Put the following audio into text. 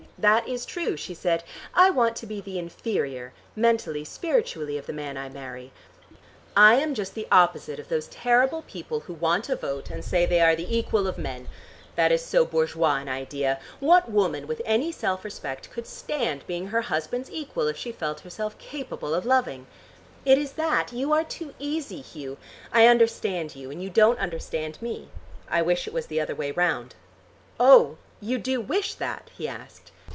"That is true," she said. "I want to be the inferior, mentally, spiritually, of the man I marry. I am just the opposite of those terrible people who want a vote, and say they are the equal of men. That is so bourgeois an idea. What woman with any self respect could stand being her husband's equal if she felt herself capable of loving? It is that. You are too easy, Hugh. I understand you, and you don't understand me. I wish it was the other way round." "Oh, you do wish that?" he asked.